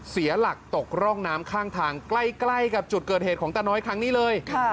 เสียหลักตกร่องน้ำข้างทางใกล้กับจุดเกิดเหตุของตาน้อยครั้งนี้เลย